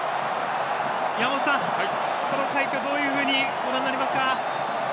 山本さん、この快挙どういうふうにご覧になりますか。